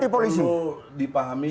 polisi itu perlu dipahami